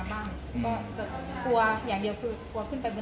สวัสดีครับ